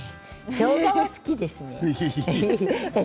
しょうがは好きです